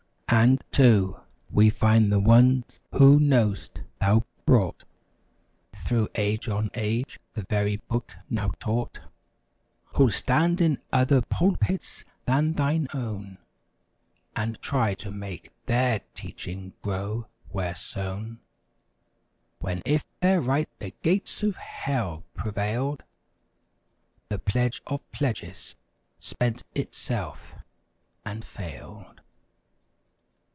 196 And too, we find the ones who know'st thou brought, Through age on age, the very book now taught; Who'll stand in other pulpits than thine own And try to make their teaching grow where sown; When if they're right the gates of Hell prevailed The pledge of pledges spent itself and failed.